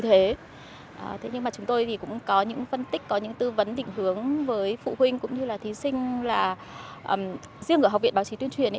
thế nhưng mà chúng tôi thì cũng có những phân tích có những tư vấn định hướng với phụ huynh cũng như là thí sinh là riêng ở học viện báo chí tuyên truyền